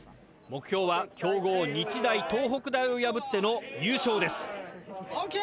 目標は強豪・日大東北大を破っての優勝です。